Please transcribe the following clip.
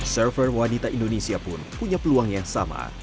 server wanita indonesia pun punya peluang yang sama